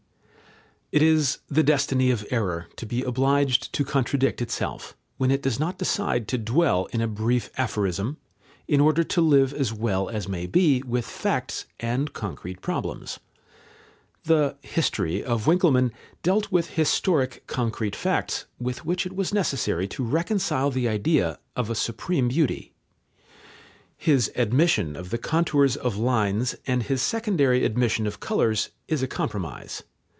It is the destiny of error to be obliged to contradict itself, when it does not decide to dwell in a brief aphorism, in order to live as well as may be with facts and concrete problems. The "History" of Winckelmann dealt with historic concrete facts, with which it was necessary to reconcile the idea of a supreme beauty. His admission of the contours of lines and his secondary admission of colours is a compromise.